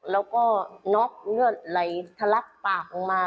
แล้วก็น็อกเลือดไหลทะลักปากลงมา